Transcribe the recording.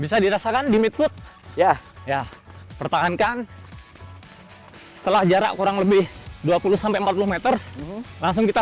bisa dirasakan di meet food ya ya pertahankan setelah jarak kurang lebih dua puluh empat puluh meter langsung kita